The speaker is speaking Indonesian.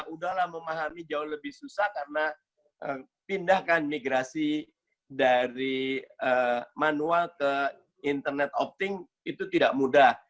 udahlah memahami jauh lebih susah karena pindahkan migrasi dari manual ke internet opting itu tidak mudah